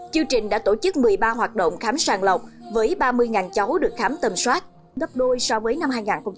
chương trình đã tổ chức một mươi ba hoạt động khám sàng lọc với ba mươi cháu được khám tầm soát gấp đôi so với năm hai nghìn một mươi tám